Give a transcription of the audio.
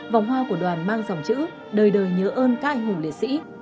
vòng hoa của đoàn mang dòng chữ đời đời nhớ ơn các anh hùng liệt sĩ